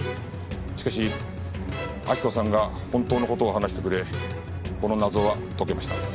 しかし亜希子さんが本当の事を話してくれこの謎は解けました。